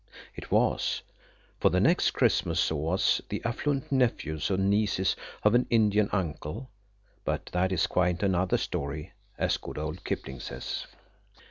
(It was; for the next Christmas saw us the affluent nephews and nieces of an Indian uncle–but that is quite another story, as good old Kipling says.)